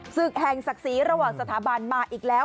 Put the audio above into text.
ศึกแห่งศักดิ์ศรีระหว่างสถาบันมาอีกแล้ว